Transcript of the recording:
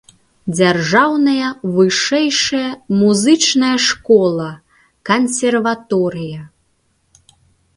Дзяржаўная вышэйшая музычная школа, кансерваторыя.